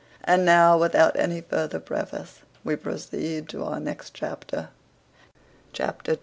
And now, without any further preface, we proceed to our next chapter. Chapter ii.